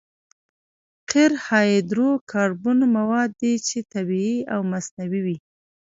قیر هایدرو کاربن مواد دي چې طبیعي او مصنوعي وي